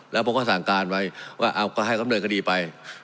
แล้วผมก็สั่งการไว้ว่าเอาก็ให้คำเนินคดีไป